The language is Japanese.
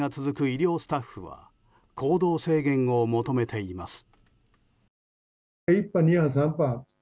医療スタッフは行動制限を求めています。